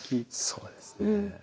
そうですね。